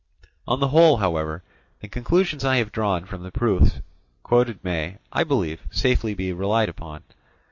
On the whole, however, the conclusions I have drawn from the proofs quoted may, I believe, safely be relied on.